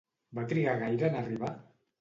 Va trigar gaire en arribar?